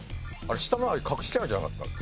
下のは隠しキャラじゃなかった？